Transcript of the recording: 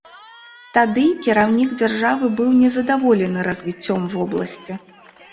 Тады кіраўнік дзяржавы быў незадаволены развіццём вобласці.